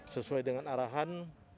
sesuai dengan arahan